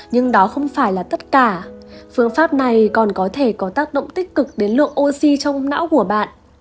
nhưng đó không phải là tất cả phương pháp này còn có thể có tác động tích cực đến lượng oxy trong não của bạn